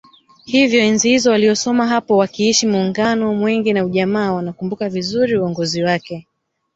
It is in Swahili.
Hivyo enzi hizo waliosoma hapo wakiishi Muungano Mwenge na Ujamaa wanakumbuka vizuri uongozi wake